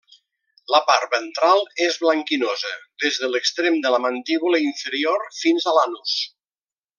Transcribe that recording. La part ventral és blanquinosa des de l'extrem de la mandíbula inferior fins a l'anus.